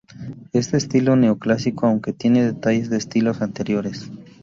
Es de estilo neoclásico aunque tiene detalles de estilos anteriores.